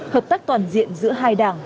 hợp tác toàn diện giữa hai đảng